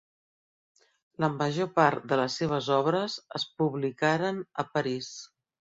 La major part de les seves obres es publicaren a París.